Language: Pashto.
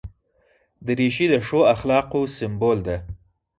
دریشي د ښو اخلاقو سمبول ده.